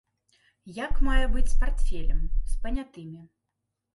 Як мае быць з партфелем, з панятымі.